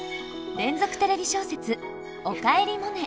連続テレビ小説「おかえりモネ」。